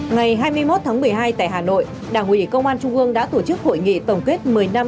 ngày hai mươi một tháng một mươi hai tại hà nội đảng ủy công an trung ương đã tổ chức hội nghị tổng kết một mươi năm